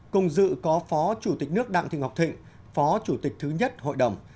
cùng dự có phó chủ tịch nước đặng thị ngọc thịnh phó chủ tịch thứ nhất hội đồng